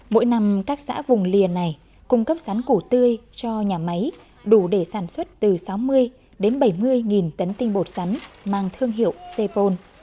mỗi năm các xã vùng liền này cung cấp sắn củ tươi cho nhà máy đủ để sản xuất từ sáu mươi đến bảy mươi tấn tinh bột sắn mang thương hiệu sepol